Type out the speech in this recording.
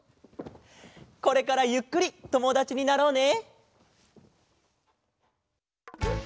これからゆっくりともだちになろうね。